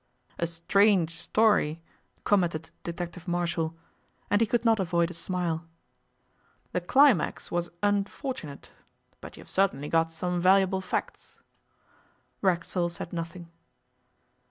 'A strange story!' commented Detective Marshall, and he could not avoid a smile. 'The climax was unfortunate, but you have certainly got some valuable facts.' Racksole said nothing.